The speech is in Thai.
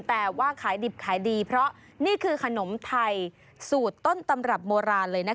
แต่ว่าขายดิบขายดีเพราะนี่คือขนมไทยสูตรต้นตำรับโบราณเลยนะคะ